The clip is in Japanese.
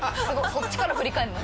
そっちから振り返るの？